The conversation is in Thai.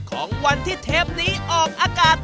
ของวันที่เทปนี้ออกอากาศ